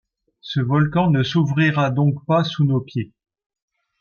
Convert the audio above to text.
Ce volcan ne s’ouvrira donc pas sous nos pieds !